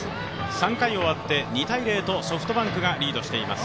３回終わって、２−０とソフトバンクがリードしています